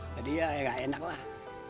jadi ya gak enak lah